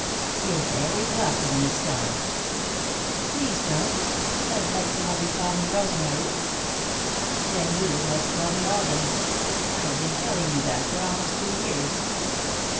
"You're very welcome, Miss Starr." "Please don't. I like to have you call me Rosemary." "Then you must call me Alden. I've been telling you that for almost two years."